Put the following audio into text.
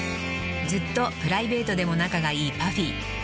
［ずっとプライベートでも仲がいいＰＵＦＦＹ］